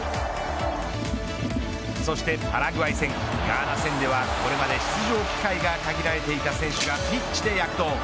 そしてパラグアイ戦ガーナ戦ではこれまで出場機会が限られていた選手がピッチで躍動。